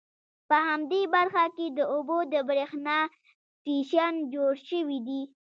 په همدې برخه کې د اوبو د بریښنا سټیشن جوړ شوي دي.